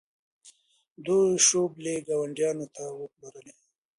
دوی شوبلې ګاونډیانو ته وپلورلې.